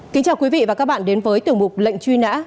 kính chào quý vị và các bạn đến với tiểu mục lệnh truy nã